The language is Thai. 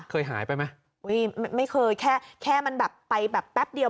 หายไปไหมอุ้ยไม่เคยแค่แค่มันแบบไปแบบแป๊บเดียว